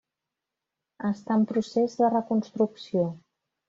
Està en procés de reconstrucció.